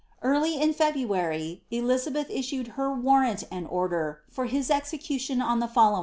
Early in Febniary Dizabeih issued her warrant and order for his execution on the follow *C^.